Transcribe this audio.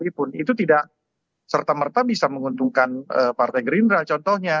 itu tidak serta merta bisa menguntungkan partai gerindra contohnya